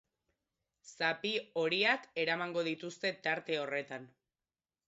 Zapi horiak eramango dituzte tarte horretan.